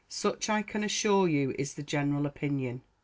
Such I can assure you is the general opinion.